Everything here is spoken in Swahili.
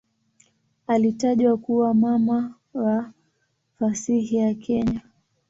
Alitajwa kuwa "mama wa fasihi ya Kenya".